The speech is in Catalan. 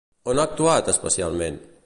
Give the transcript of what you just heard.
On ha actuat, especialment?